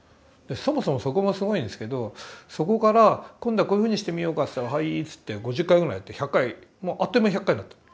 そもそもそこもすごいんですけどそこから「今度はこういうふうにしてみようか」って言ったら「はい」って言って５０回ぐらいやって１００回もうあっという間に１００回になったの。